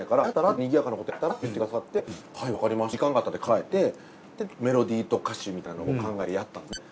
にぎやかなことやったら？」って言ってくださって「はいわかりました」って時間が経って考えてなんかメロディーと歌詞みたいなのを考えてやったんですね。